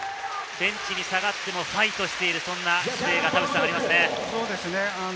ベンチに下がってもファイトしている、そんな姿勢がありますね。